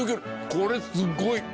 これすごい！